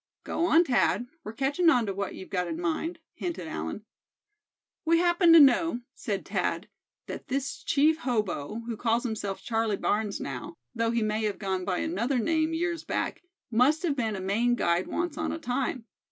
"Go on, Thad; we're catching on to what you've got in mind," hinted Allan. "We happen to know," said Thad; "that this chief hobo, who calls himself Charlie Barnes now, though he may have gone by another name years back, must have been a Maine guide once on a time.